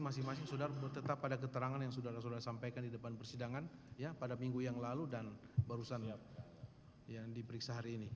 masing masing saudara tetap ada keterangan yang saudara saudara sampaikan di depan persidangan pada minggu yang lalu dan barusan yang diperiksa hari ini